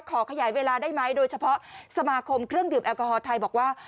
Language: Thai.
ขยายเวลาได้ไหมโดยเฉพาะสมาคมเครื่องดื่มแอลกอฮอล์ไทยบอกว่า